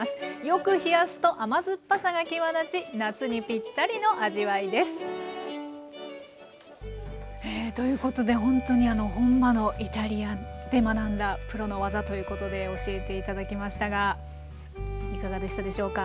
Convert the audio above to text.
よく冷やすと甘酸っぱさが際立ち夏にぴったりの味わいです。ということでほんとに本場のイタリアで学んだプロの技ということで教えて頂きましたがいかがでしたでしょうか？